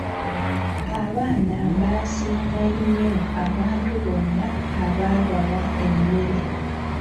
Abaana baasiima nnyo abantu bonna abaabawa emmere.